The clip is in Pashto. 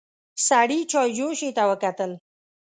سړي چايجوشې ته وکتل.